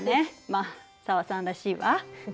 まあ紗和さんらしいわ。